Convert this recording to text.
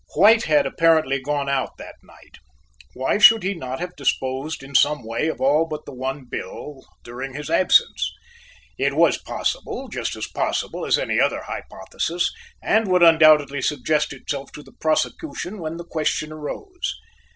White had apparently gone out that night. Why should he not have disposed in some way of all but the one bill during his absence? It was possible, just as possible as any other hypothesis, and would undoubtedly suggest itself to the prosecution when the question arose.